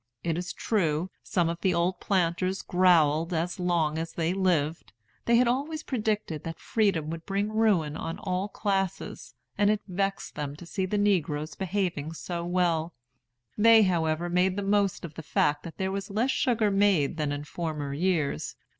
It is true, some of the old planters growled as long as they lived. They had always predicted that freedom would bring ruin on all classes, and it vexed them to see the negroes behaving so well. They, however, made the most of the fact that there was less sugar made than in former years.